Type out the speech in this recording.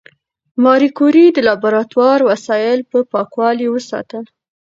ماري کوري د لابراتوار وسایل په پاکوالي وساتل.